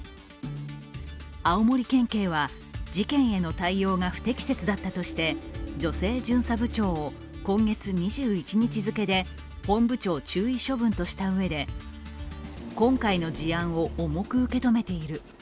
青森県警は事件への対応が不適切だったとして女性巡査部長を今月２１日付で本部長注意処分としたうえで今回の事案を重く受け止めている。